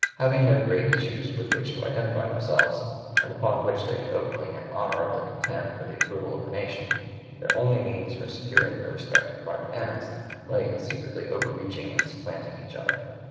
Having no great issues with which to identify themselves, and upon which they could openly and honorably contend for the approval of the nation, their only means for securing their respective private ends lay in secretly overreaching and supplanting each other.